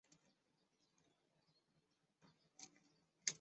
灵犀有四座陪葬墓。